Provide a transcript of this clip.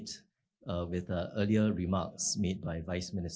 dengan ucapan yang telah diberikan